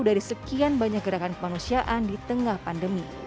dari sekian banyak gerakan kemanusiaan di tengah pandemi